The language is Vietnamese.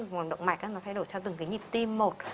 nguồn động mạch nó thay đổi theo từng cái nhịp tim một